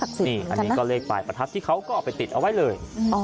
อันนี้ก็เลขปลายประทัดที่เขาก็เอาไปติดเอาไว้เลย